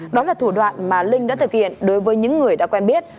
đó là thủ đoạn mà linh đã thực hiện đối với những người đã quen biết